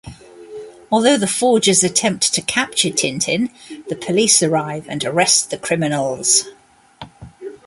Although the forgers attempt to capture Tintin, the police arrive and arrest the criminals.